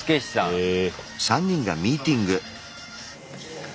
へえ。